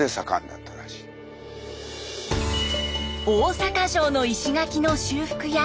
大阪城の石垣の修復や。